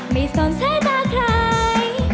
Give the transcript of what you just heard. ไม่สนใส่ตาใคร